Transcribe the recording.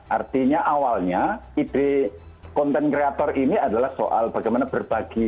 artinya awalnya ide konten kreator ini adalah soal bagaimana berbagi